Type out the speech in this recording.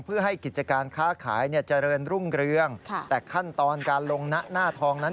เพื่อให้กิจการค้าขายเจริญรุ่งเรืองแต่ขั้นตอนการลงหน้าทองนั้น